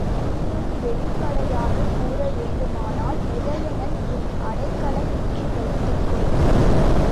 இன்னும் வெளிப்படையாகக் கூறவேண்டுமானால், உதயணன் உன் அடைக்கலம் என்று வைத்துக்கொள்.